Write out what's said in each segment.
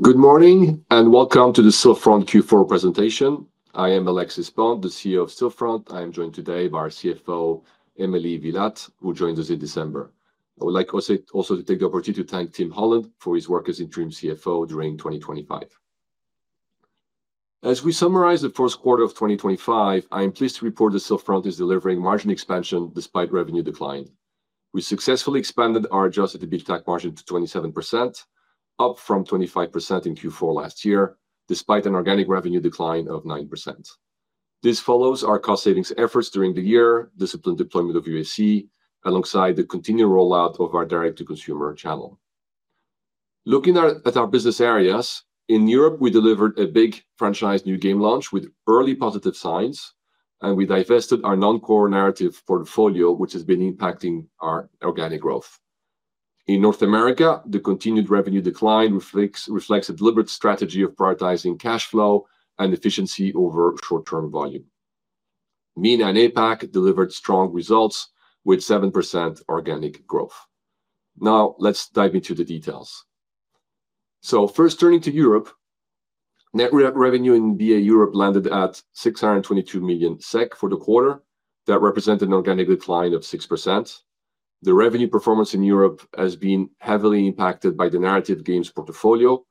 Good morning, and welcome to the Stillfront Q4 presentation. I am Alexis Bonte, the CEO of Stillfront. I am joined today by our CFO, Emily Villatte, who joined us in December. I would like also to take the opportunity to thank Tim Holland for his work as interim CFO during 2025. As we summarize the fourth quarter of 2025, I am pleased to report that Stillfront is delivering margin expansion despite revenue decline. We successfully expanded our adjusted EBITA margin to 27%, up from 25% in Q4 last year, despite an organic revenue decline of 9%. This follows our cost savings efforts during the year, disciplined deployment of UAC, alongside the continued rollout of our direct-to-consumer channel. Looking at our business areas, in Europe, we delivered a Big Farm franchise new game launch with early positive signs, and we divested our non-core narrative portfolio, which has been impacting our organic growth. In North America, the continued revenue decline reflects a deliberate strategy of prioritizing cash flow and efficiency over short-term volume. MENA and APAC delivered strong results with 7% organic growth. Now, let's dive into the details. So first, turning to Europe, net revenue in BA Europe landed at 622 million SEK for the quarter. That represented an organic decline of 6%. The revenue performance in Europe has been heavily impacted by the Narrative games portfolio,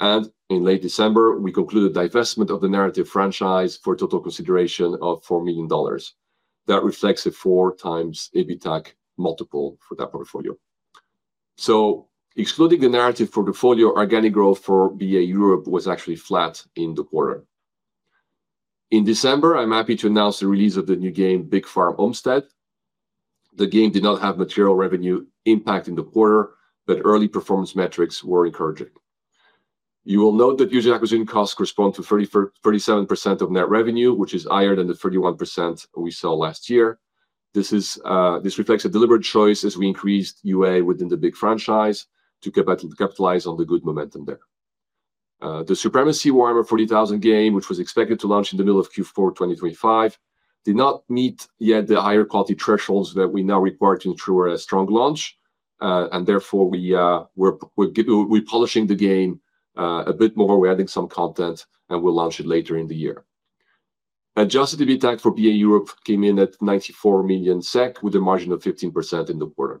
and in late December, we concluded divestment of the narrative franchise for a total consideration of $4 million. That reflects a 4x EBITA multiple for that portfolio. So excluding the narrative portfolio, organic growth for BA Europe was actually flat in the quarter. In December, I'm happy to announce the release of the new game, Big Farm: Homestead. The game did not have material revenue impact in the quarter, but early performance metrics were encouraging. You will note that user acquisition costs correspond to 34%-37% of net revenue, which is higher than the 31% we saw last year. This is, This reflects a deliberate choice as we increased UA within the big franchise to capitalize on the good momentum there. The Supremacy: Warhammer 40,000 game, which was expected to launch in the middle of Q4 2025, did not meet yet the higher quality thresholds that we now require to ensure a strong launch. And therefore, we're polishing the game a bit more. We're adding some content, and we'll launch it later in the year. Adjusted EBITA for BA Europe came in at 94 million SEK, with a margin of 15% in the quarter.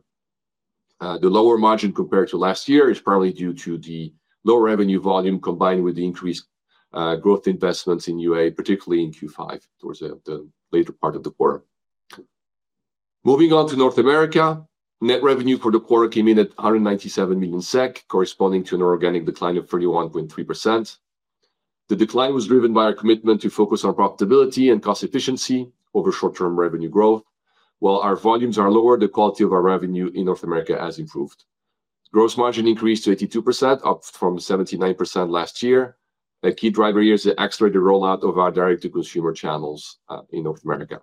The lower margin compared to last year is probably due to the lower revenue volume, combined with the increased growth investments in UA, particularly in Q5, towards the later part of the quarter. Moving on to North America, net revenue for the quarter came in at 197 million SEK, corresponding to an organic decline of 31.3%. The decline was driven by our commitment to focus on profitability and cost efficiency over short-term revenue growth. While our volumes are lower, the quality of our revenue in North America has improved. Gross margin increased to 82%, up from 79% last year. A key driver here is the accelerated rollout of our direct-to-consumer channels in North America.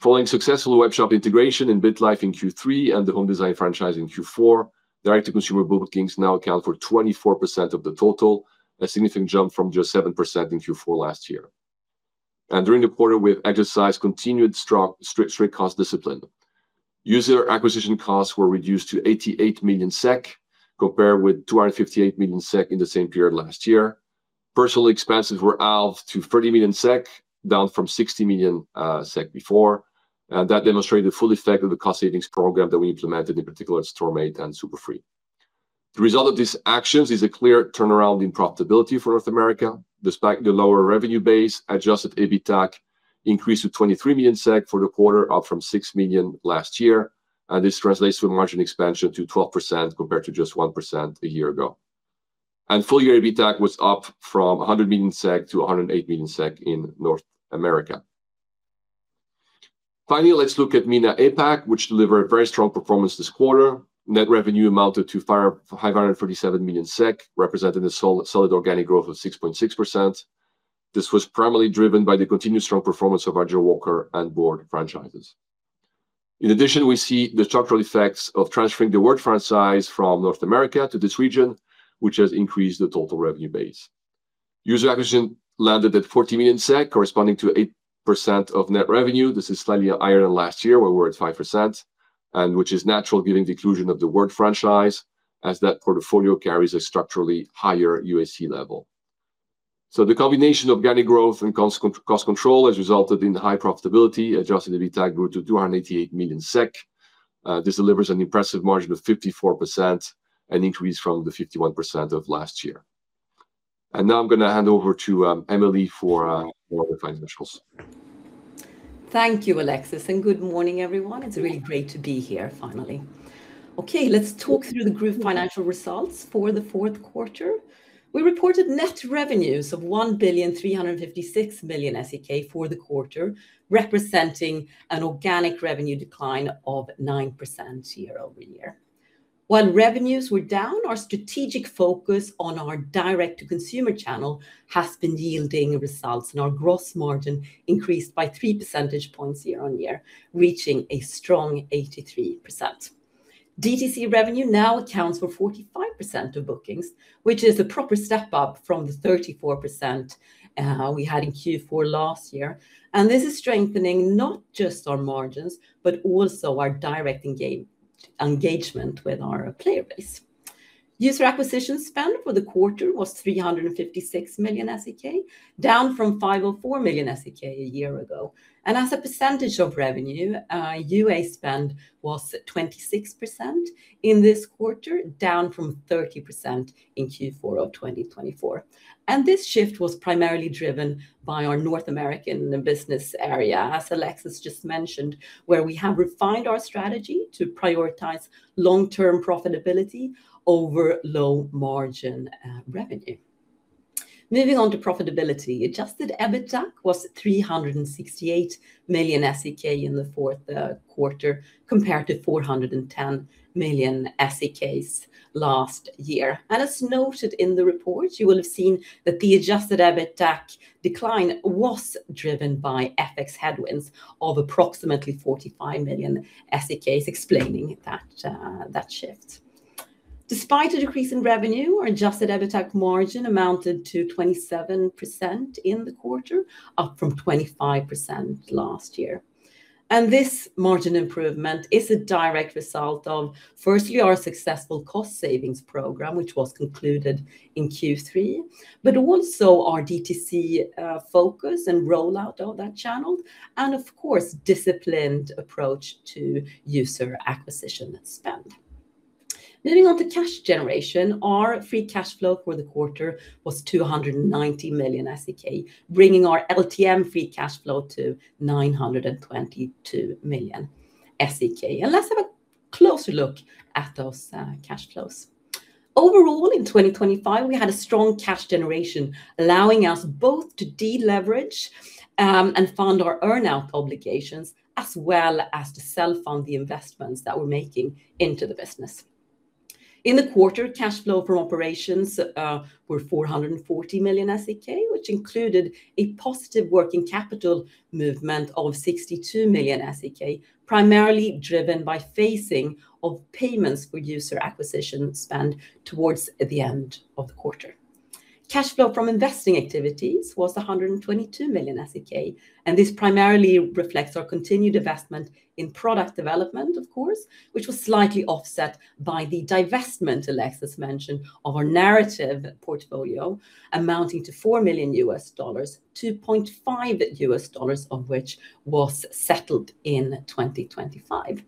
Following successful webshop integration in BitLife in Q3 and the Home Design franchise in Q4, direct-to-consumer bookings now account for 24% of the total, a significant jump from just 7% in Q4 last year. During the quarter, we have exercised continued strong strict cost discipline. User acquisition costs were reduced to 88 million SEK, compared with 258 million SEK in the same period last year. Personnel expenses were out to 30 million SEK, down from 60 million SEK before, and that demonstrated the full effect of the cost savings program that we implemented, in particular, Storm8 and SuperFree. The result of these actions is a clear turnaround in profitability for North America. Despite the lower revenue base, Adjusted EBITA increased to 23 million SEK for the quarter, up from 6 million last year, and this translates to a margin expansion to 12%, compared to just 1% a year ago. Full-year EBITA was up from 100 million SEK to 108 million SEK in North America. Finally, let's look at MENA/APAC, which delivered very strong performance this quarter. Net revenue amounted to 537 million SEK, representing a solid organic growth of 6.6%. This was primarily driven by the continued strong performance of our Jawaker and board franchises. In addition, we see the structural effects of transferring the Word franchise from North America to this region, which has increased the total revenue base. User acquisition landed at 40 million SEK, corresponding to 8% of net revenue. This is slightly higher than last year, where we were at 5%, and which is natural, given the inclusion of the Word franchise, as that portfolio carries a structurally higher UAC level. So the combination of organic growth and cost control has resulted in high profitability. Adjusted EBITA grew to 288 million SEK. This delivers an impressive margin of 54%, an increase from the 51% of last year. Now I'm going to hand over to Emily for more financials. Thank you, Alexis, and good morning, everyone. It's really great to be here finally. Okay, let's talk through the group financial results for the fourth quarter. We reported net revenues of 1,356 million SEK for the quarter, representing an organic revenue decline of 9% year-over-year. While revenues were down, our strategic focus on our direct-to-consumer channel has been yielding results, and our gross margin increased by three percentage points year-on-year, reaching a strong 83%. DTC revenue now accounts for 45% of bookings, which is a proper step up from the 34% we had in Q4 last year, and this is strengthening not just our margins, but also our direct engagement with our player base. User acquisition spend for the quarter was 356 million SEK, down from 504 million SEK a year ago. As a percentage of revenue, UA spend was at 26% in this quarter, down from 30% in Q4 of 2024. This shift was primarily driven by our North American business area, as Alexis just mentioned, where we have refined our strategy to prioritize long-term profitability over low-margin revenue. Moving on to profitability. Adjusted EBITA was 368 million SEK in the fourth quarter, compared to 410 million SEK last year. As noted in the report, you will have seen that the adjusted EBITA decline was driven by FX headwinds of approximately 45 million SEK, explaining that shift. Despite a decrease in revenue, our Adjusted EBITA margin amounted to 27% in the quarter, up from 25% last year. This margin improvement is a direct result of, firstly, our successful cost savings program, which was concluded in Q3, but also our DTC focus and rollout of that channel, and of course, disciplined approach to user acquisition spend. Moving on to cash generation, our free cash flow for the quarter was 290 million SEK, bringing our LTM free cash flow to 922 million SEK. Let's have a closer look at those cash flows. Overall, in 2025, we had a strong cash generation, allowing us both to deleverage and fund our earn-out obligations, as well as to self-fund the investments that we're making into the business. In the quarter, cash flow from operations were 440 million SEK, which included a positive working capital movement of 62 million SEK, primarily driven by phasing of payments for user acquisition spend towards the end of the quarter. Cash flow from investing activities was 122 million SEK, and this primarily reflects our continued investment in product development, of course, which was slightly offset by the divestment Alexis mentioned of our narrative portfolio, amounting to $4 million, $2.5 million of which was settled in 2025.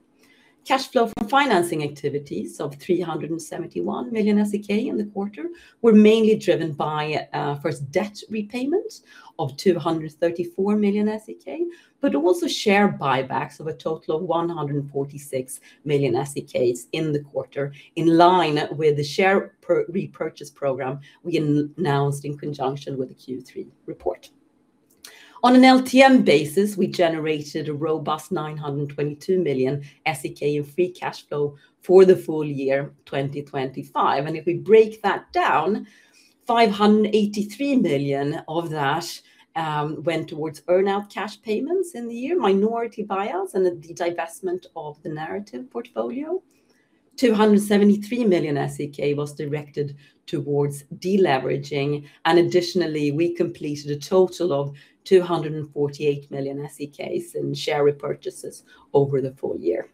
Cash flow from financing activities of 371 million SEK in the quarter were mainly driven by first, debt repayment of 234 million SEK, but also share buybacks of a total of 146 million SEK in the quarter, in line with the share repurchase program we announced in conjunction with the Q3 report. On an LTM basis, we generated a robust 922 million SEK in free cash flow for the full year 2025, and if we break that down, 583 million of that went towards earn-out cash payments in the year, minority buyouts, and the divestment of the narrative portfolio. 273 million SEK was directed towards deleveraging, and additionally, we completed a total of 248 million SEK in share repurchases over the full year.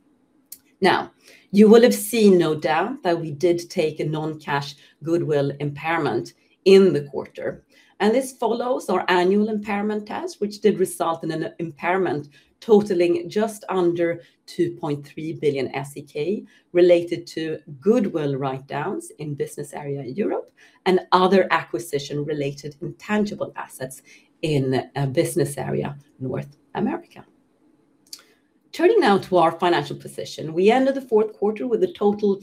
Now, you will have seen, no doubt, that we did take a non-cash goodwill impairment in the quarter, and this follows our annual impairment test, which did result in an impairment totaling just under 2.3 billion SEK, related to goodwill write-downs in business area Europe, and other acquisition-related intangible assets in business area North America. Turning now to our financial position, we ended the fourth quarter with a total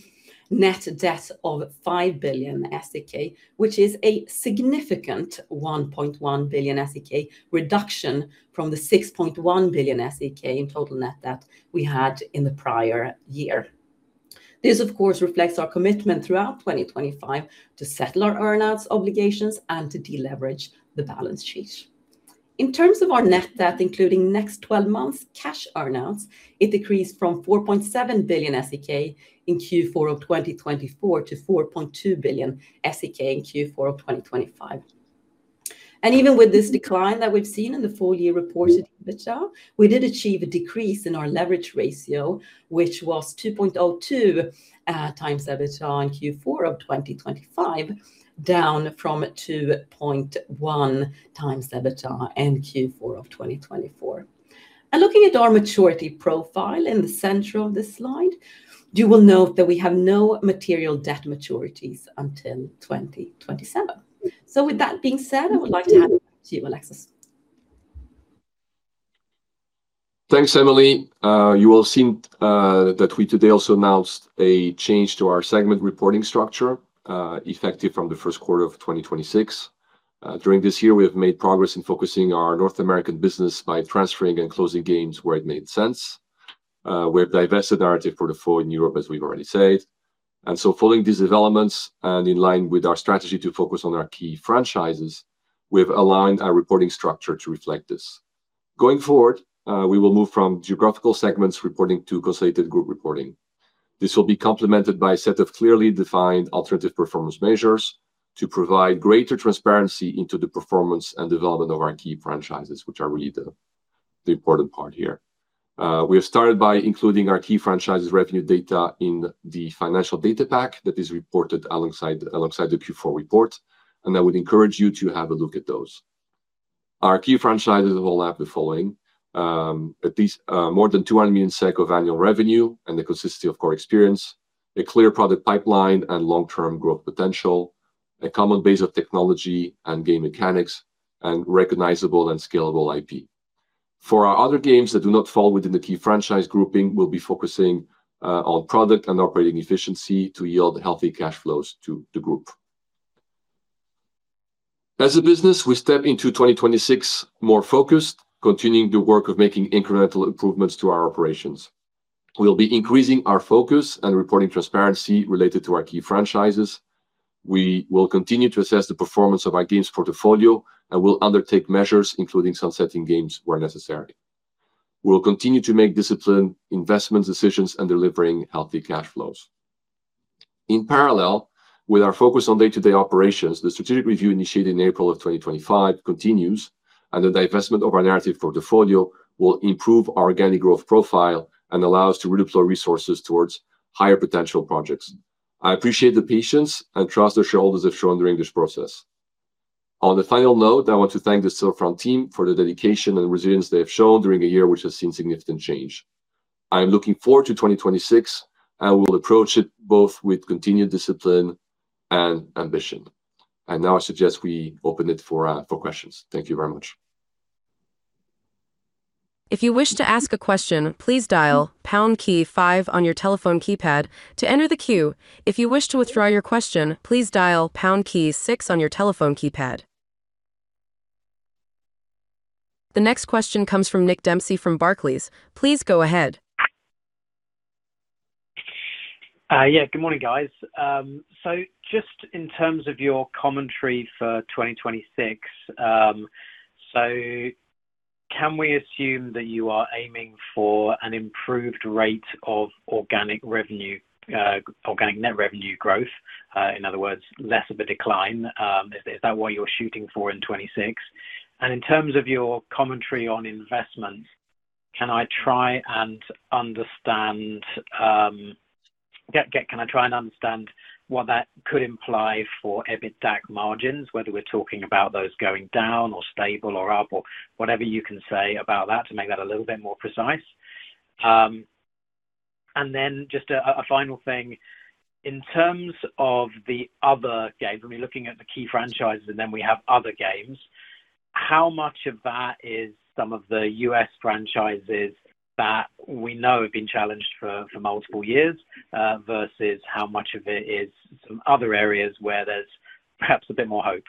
net debt of 5 billion SEK, which is a significant 1.1 billion SEK reduction from the 6.1 billion SEK in total net debt we had in the prior year. This, of course, reflects our commitment throughout 2025 to settle our earn-outs obligations and to deleverage the balance sheet. In terms of our net debt, including next twelve months cash earn-outs, it decreased from 4.7 billion SEK in Q4 of 2024 to 4.2 billion SEK in Q4 of 2025. Even with this decline that we've seen in the full-year report of EBITDA, we did achieve a decrease in our leverage ratio, which was 2.02x EBITDA in Q4 of 2025, down from 2.1x EBITDA in Q4 of 2024. Looking at our maturity profile in the center of this slide, you will note that we have no material debt maturities until 2027. With that being said, I would like to hand it back to you, Alexis. Thanks, Emily. You will see that we today also announced a change to our segment reporting structure, effective from the first quarter of 2026. During this year, we have made progress in focusing our North America business by transferring and closing games where it made sense. We have divested Narrative in the fall in Europe, as we've already said. And so following these developments, and in line with our strategy to focus on our key franchises, we've aligned our reporting structure to reflect this. Going forward, we will move from geographical segments reporting to consolidated group reporting. This will be complemented by a set of clearly defined alternative performance measures to provide greater transparency into the performance and development of our key franchises, which are really the important part here. We have started by including our key franchises revenue data in the financial data pack that is reported alongside the Q4 report, and I would encourage you to have a look at those. Our key franchises will have the following, at least, more than 200 million SEK of annual revenue, and they consist of core experience, a clear product pipeline, and long-term growth potential, a common base of technology and game mechanics, and recognizable and scalable IP. For our other games that do not fall within the key franchise grouping, we'll be focusing on product and operating efficiency to yield healthy cash flows to the group. As a business, we step into 2026 more focused, continuing the work of making incremental improvements to our operations. We'll be increasing our focus and reporting transparency related to our key franchises. We will continue to assess the performance of our games portfolio, and we'll undertake measures, including sunsetting games where necessary. We'll continue to make disciplined investment decisions and delivering healthy cash flows. In parallel with our focus on day-to-day operations, the strategic review, initiated in April of 2025, continues, and the divestment of our narrative portfolio will improve our organic growth profile and allow us to redeploy resources towards higher potential projects. I appreciate the patience and trust the shareholders have shown during this process. On the final note, I want to thank the Stillfront team for the dedication and resilience they have shown during a year, which has seen significant change. I am looking forward to 2026, and we will approach it both with continued discipline and ambition. And now I suggest we open it for questions. Thank you very much. If you wish to ask a question, please dial pound key five on your telephone keypad to enter the queue. If you wish to withdraw your question, please dial pound key six on your telephone keypad. The next question comes from Nick Dempsey from Barclays. Please go ahead. Yeah, good morning, guys. So just in terms of your commentary for 2026, so can we assume that you are aiming for an improved rate of organic revenue, organic net revenue growth? In other words, less of a decline. Is that what you're shooting for in 2026? And in terms of your commentary on investment, can I try and understand what that could imply for EBITDA margins, whether we're talking about those going down, or stable, or up, or whatever you can say about that, to make that a little bit more precise? And then just a final thing. In terms of the other games, I mean, looking at the key franchises, and then we have other games, how much of that is some of the U.S. franchises that we know have been challenged for multiple years versus how much of it is some other areas where there's perhaps a bit more hope?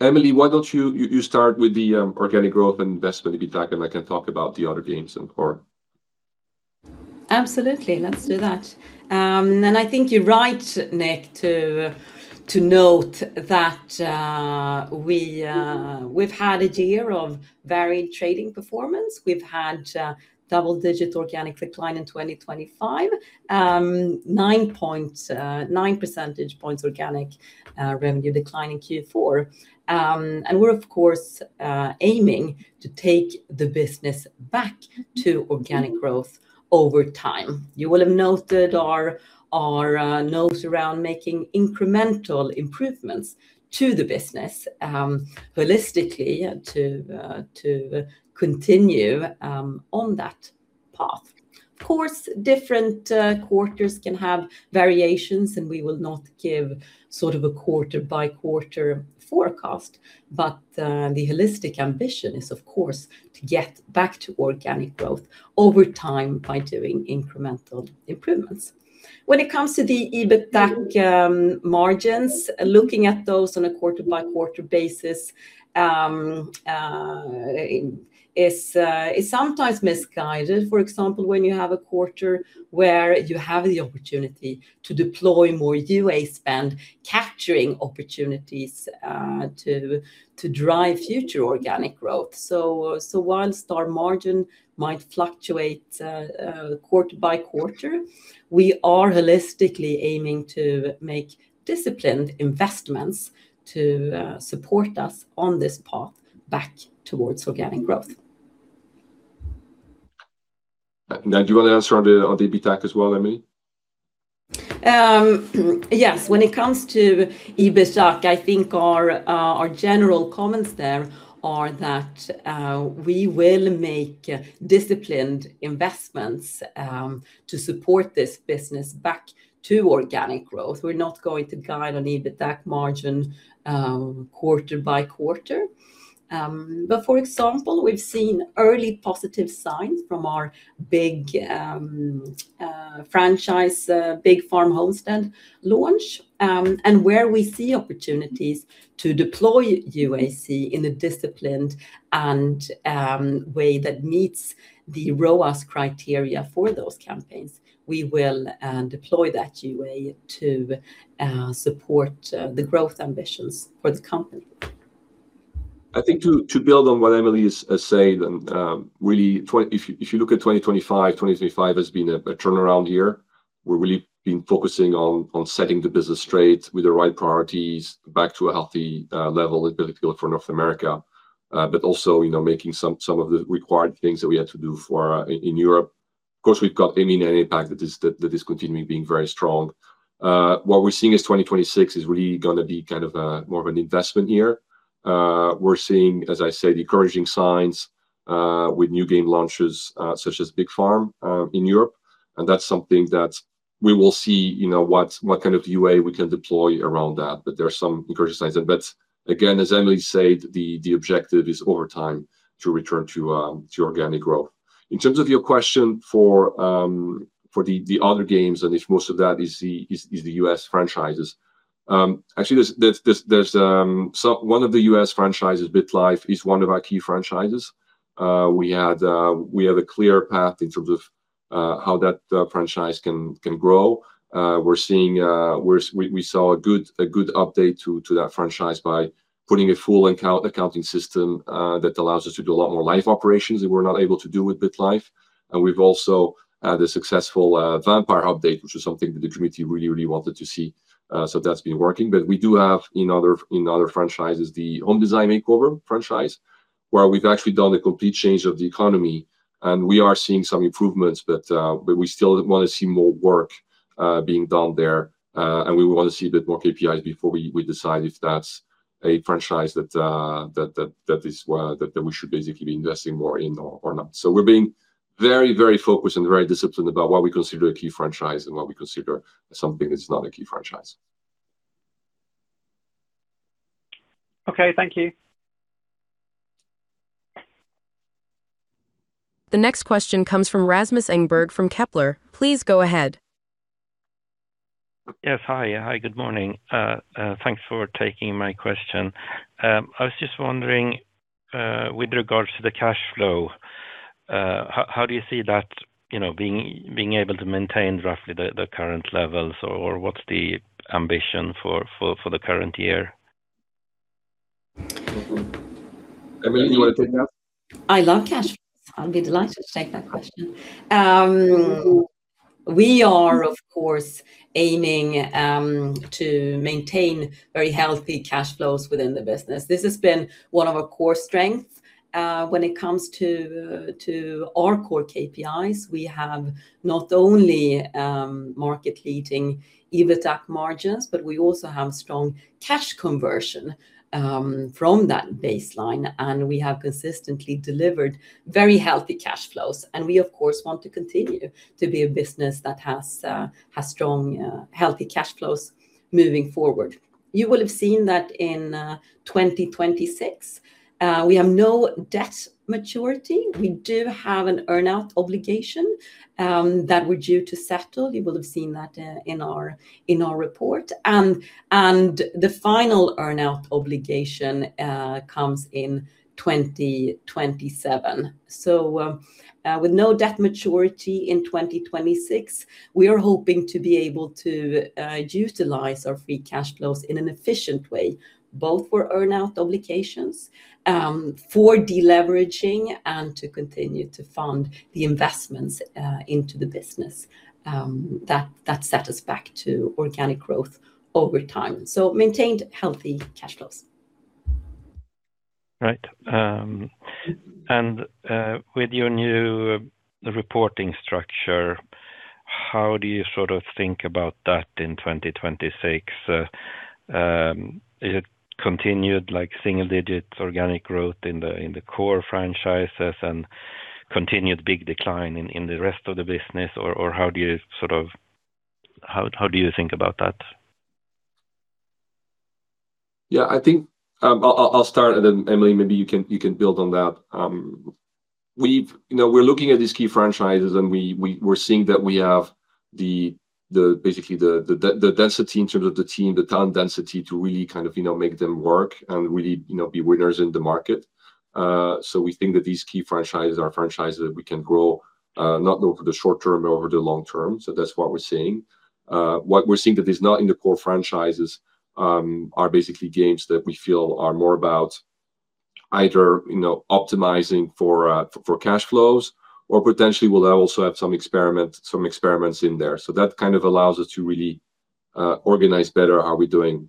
Emily, why don't you start with the organic growth and investment in EBITDA, and I can talk about the other games and core. Absolutely. Let's do that. I think you're right, Nick, to note that we've had a year of varied trading performance. We've had double-digit organic decline in 2025, 9.9 percentage points organic revenue decline in Q4. We're of course aiming to take the business back to organic growth over time. You will have noted our notes around making incremental improvements to the business holistically, to continue on that path. Of course, different quarters can have variations, and we will not give sort of a quarter by quarter forecast, but the holistic ambition is, of course, to get back to organic growth over time by doing incremental improvements. When it comes to the EBITDA margins, looking at those on a quarter-by-quarter basis is sometimes misguided. For example, when you have a quarter where you have the opportunity to deploy more UA spend, capturing opportunities to drive future organic growth. So while EBITDA margin might fluctuate quarter by quarter, we are holistically aiming to make disciplined investments to support us on this path back towards organic growth. Now, do you want to answer on the EBITDA as well, Emily? Yes. When it comes to EBITDA, I think our general comments there are that we will make disciplined investments to support this business back to organic growth. We're not going to guide on EBITDA margin quarter by quarter. For example, we've seen early positive signs from our big franchise, Big Farm: Homestead launch. Where we see opportunities to deploy UAC in a disciplined and way that meets the ROAS criteria for those campaigns, we will deploy that UA to support the growth ambitions for the company. I think to build on what Emily is saying, and really, 2025... If you look at 2025, 2025 has been a turnaround year. We're really been focusing on setting the business straight with the right priorities, back to a healthy level, particularly for North America. But also, you know, making some of the required things that we had to do for in Europe. Of course, we've got MENA impact that is continuing being very strong. What we're seeing is 2026 is really gonna be kind of a more of an investment year. We're seeing, as I said, encouraging signs with new game launches such as Big Farm in Europe, and that's something that we will see, you know, what kind of UA we can deploy around that. But there are some encouraging signs. But again, as Emily said, the objective is over time to return to organic growth. In terms of your question for the other games, and if most of that is the U.S. franchises. Actually, one of the U.S. franchises, BitLife, is one of our key franchises. We have a clear path in terms of how that franchise can grow. We saw a good update to that franchise by putting a full accounting system that allows us to do a lot more live operations that we're not able to do with BitLife. And we've also had a successful vampire update, which is something that the community really, really wanted to see. So that's been working. But we do have in other franchises, the Home Design Makeover franchise, where we've actually done a complete change of the economy, and we are seeing some improvements, but we still wanna see more work being done there. And we wanna see a bit more KPIs before we decide if that's a franchise that we should basically be investing more in or not. So we're being very, very focused and very disciplined about what we consider a key franchise and what we consider something that's not a key franchise. Okay, thank you. The next question comes from Rasmus Engberg, from Kepler. Please go ahead. Yes, hi. Hi, good morning. Thanks for taking my question. I was just wondering, with regards to the cash flow, how do you see that, you know, being able to maintain roughly the current levels, or what's the ambition for the current year? Emily, you wanna take that? I love cash flows. I'll be delighted to take that question. We are, of course, aiming to maintain very healthy cash flows within the business. This has been one of our core strengths when it comes to our core KPIs. We have not only market-leading EBITDA margins, but we also have strong cash conversion from that baseline, and we have consistently delivered very healthy cash flows, and we, of course, want to continue to be a business that has strong healthy cash flows moving forward. You will have seen that in 2026 we have no debt maturity. We do have an earn-out obligation that we're due to settle. You will have seen that in our report. The final earn-out obligation comes in 2027. So, with no debt maturity in 2026, we are hoping to be able to utilize our free cash flows in an efficient way, both for earn-out obligations, for deleveraging, and to continue to fund the investments into the business, that set us back to organic growth over time. So maintained healthy cash flows. Right. And with your new reporting structure, how do you sort of think about that in 2026? Is it continued, like single-digit organic growth in the core franchises and continued big decline in the rest of the business? Or, how do you sort of, how do you think about that? Yeah, I think I'll start, and then, Emily, maybe you can build on that. We've. You know, we're looking at these key franchises, and we're seeing that we have basically the density in terms of the team, the talent density, to really kind of, you know, make them work and really, you know, be winners in the market. So we think that these key franchises are franchises that we can grow, not only for the short term, but over the long term. So that's what we're seeing. What we're seeing that is not in the core franchises are basically games that we feel are more about either, you know, optimizing for cash flows or potentially will also have some experiment, some experiments in there. So that kind of allows us to really organize better how we're doing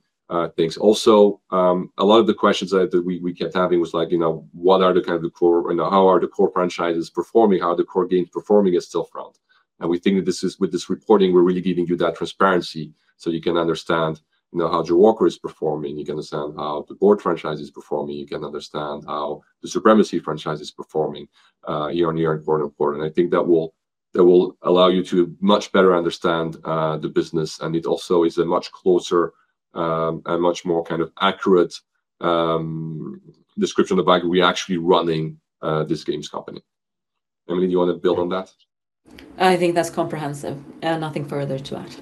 things. Also, a lot of the questions that we kept having was like, you know, what are the core franchises performing? How are the core games performing at Stillfront? And we think that this is, with this reporting, we're really giving you that transparency so you can understand, you know, how Jawaker is performing, you can understand how the Big Farm franchise is performing, you can understand how the Supremacy franchise is performing, year on year and quarter on quarter. And I think that will allow you to much better understand the business, and it also is a much closer and much more kind of accurate description of the way we're actually running this games company. Emily, do you want to build on that? I think that's comprehensive, nothing further to add.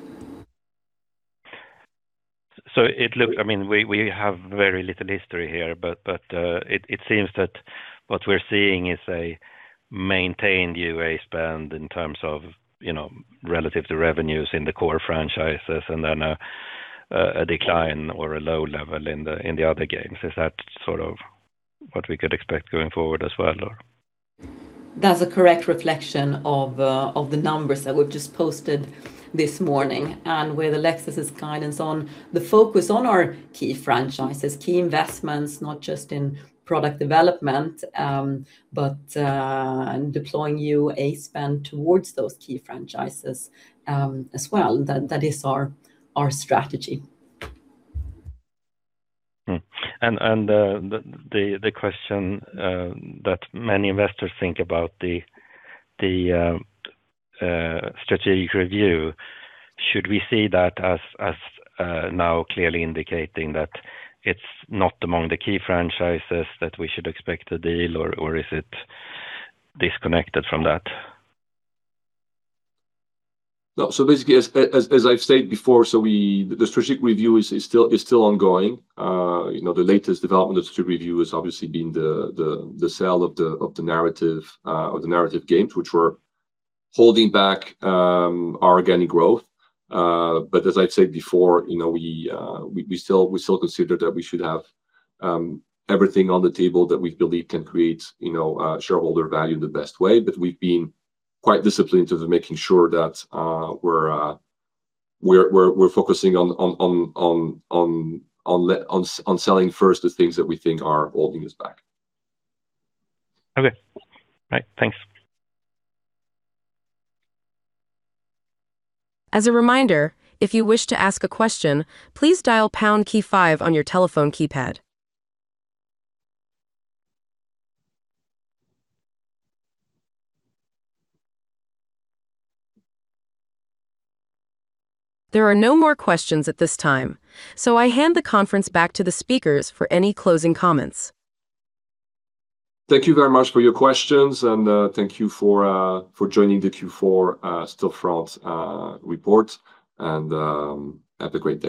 So it looks, I mean, we have very little history here, but it seems that what we're seeing is a maintained UA spend in terms of, you know, relative to revenues in the core franchises, and then a decline or a low level in the other games. Is that sort of what we could expect going forward as well, or? That's a correct reflection of the numbers that we've just posted this morning, and with Alexis's guidance on the focus on our key franchises, key investments, not just in product development, but, and deploying UA spend towards those key franchises, as well, that is our strategy. Hmm. And the strategic review, should we see that as now clearly indicating that it's not among the key franchises that we should expect a deal, or is it disconnected from that? No. So basically, as I've stated before, so the strategic review is still ongoing. You know, the latest development of the strategic review has obviously been the sale of the Narrative games, which were holding back our organic growth. But as I've said before, you know, we still consider that we should have everything on the table that we believe can create, you know, shareholder value in the best way. But we've been quite disciplined in terms of making sure that we're focusing on selling first the things that we think are holding us back. Okay. Right. Thanks. As a reminder, if you wish to ask a question, please dial pound key five on your telephone keypad. There are no more questions at this time, so I hand the conference back to the speakers for any closing comments. Thank you very much for your questions, and thank you for joining the Q4 Stillfront report, and have a great day.